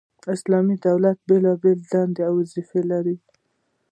اسلامي دولت بيلابېلي دندي او وظيفي لري،